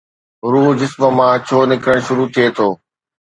روح جسم مان ڇو نڪرڻ شروع ٿئي ٿو؟